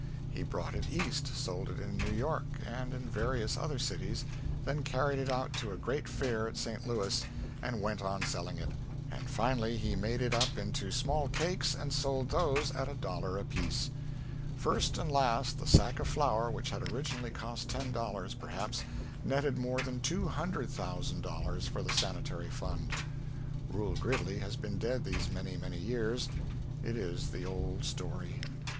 He brought it East, sold it in New York and in various other cities, then carried it out to a great Fair at St. Louis, and went on selling it; and finally made it up into small cakes and sold those at a dollar apiece. First and last, the sack of flour which had originally cost ten dollars, perhaps, netted more than two hundred thousand dollars for the Sanitary Fund. Reuel Gridley has been dead these many, many years it is the old story.